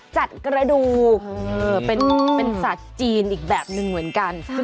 กระดูกเป็นสัตว์จีนอีกแบบหนึ่งเหมือนกัน